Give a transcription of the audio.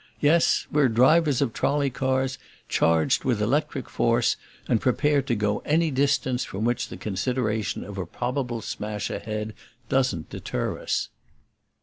Yes, we're drivers of trolley cars charged with electric force and prepared to go any distance from which the consideration of a probable smash ahead doesn't deter us."